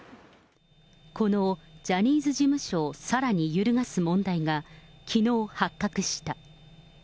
このジャニーズ事務所をさらに揺るがす問題が、きのう発覚した。